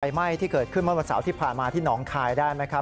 ไหม้ที่เกิดขึ้นเมื่อวันเสาร์ที่ผ่านมาที่หนองคายได้ไหมครับ